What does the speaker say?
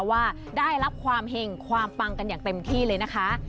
ว่าได้รับความเห็งความปังกันอย่างเต็มที่เลยนะคะ